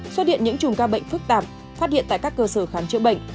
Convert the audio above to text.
xuất hiện những chùm ca bệnh phức tạp phát hiện tại các cơ sở khám chữa bệnh